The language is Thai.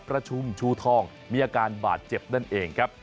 ประชุมชูทองมีอาการบาดเจ็บนั่นเองครับ